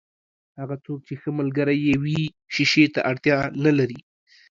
هغه څوک چې ښه ملګری يې وي، شیشې ته اړتیا نلري.